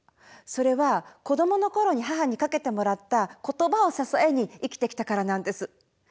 それは子どものころに母にかけてもらった「言葉」を支えに生きてきたからなんです。